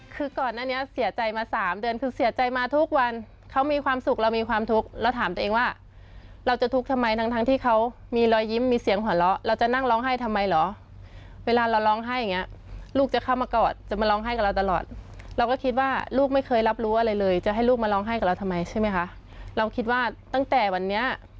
คือก่อนหน้านี้เสียใจมาสามเดือนคือเสียใจมาทุกวันเขามีความสุขเรามีความทุกข์เราถามตัวเองว่าเราจะทุกข์ทำไมทั้งทั้งที่เขามีรอยยิ้มมีเสียงหัวเราะเราจะนั่งร้องไห้ทำไมเหรอเวลาเราร้องไห้อย่างเงี้ยลูกจะเข้ามากอดจะมาร้องไห้กับเราตลอดเราก็คิดว่าลูกไม่เคยรับรู้อะไรเลยจะให้ลูกมาร้องไห้กับเราทำไมใช่ไหมคะเราคิดว่าตั้งแต่วันนี้